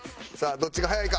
どっちが早いか？